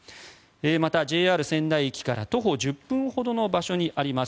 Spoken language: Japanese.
また、ＪＲ仙台駅から徒歩１０分ほどのところにあります